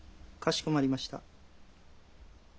かしこまりました。